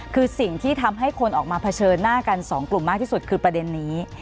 คือสิ่งที่ทำให้คนออกมาเผชิญหน้ากันสองกลุ่มมากที่สุดคือประเด็นนี้